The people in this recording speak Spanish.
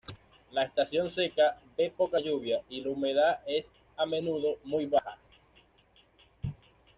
La estación seca ve poca lluvia y la humedad es a menudo muy baja.